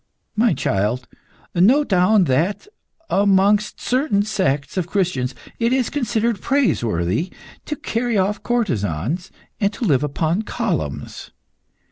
"My child, note down that, amongst certain sects of Christians, it is considered praiseworthy to carry off courtesans and live upon columns.